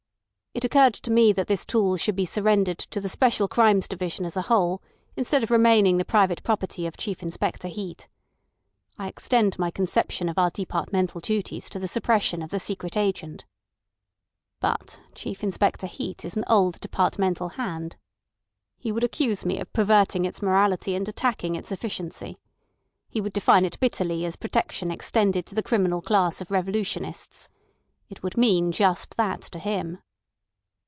It occurred to me that this tool should be surrendered to the Special Crimes division as a whole, instead of remaining the private property of Chief Inspector Heat. I extend my conception of our departmental duties to the suppression of the secret agent. But Chief Inspector Heat is an old departmental hand. He would accuse me of perverting its morality and attacking its efficiency. He would define it bitterly as protection extended to the criminal class of revolutionists. It would mean just that to him."